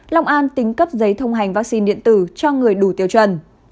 long an tính cấp giấy thông hành vaccine điện tử cho người đủ tiêu chuẩn